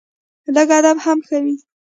لږ ادب هم ښه وي